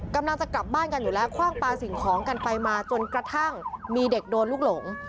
กำลังจะกลับบ้านกันอยู่แล้วคว่างปลาสิ่งของกันไปมาจนกระทั่งมีเด็กโดนลูกหลง